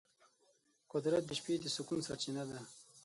قدرت د شپې د سکون سرچینه ده.